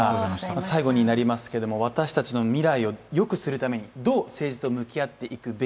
最後になりますが、私たちの暮らしをよくするためにどう政治と向き合っていくか。